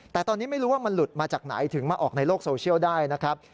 แต่ตอนนี้ไม่รู้ว่ามันหลุดมาจากไหนถึงมาออกในโลกโซเชียลได้นะครับ